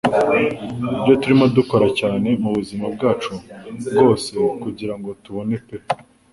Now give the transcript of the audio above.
Ibyo turimo gukora cyane mubuzima bwacu bwose kugirango tubone pe